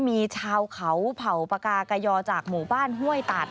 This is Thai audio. มีชาวเขาเผ่าปากากยอจากหมู่บ้านห้วยตัด